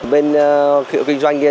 bên kiểu kinh doanh kia